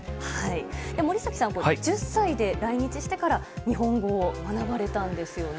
森崎さん、１０歳で来日してから日本語を学ばれたんですよね。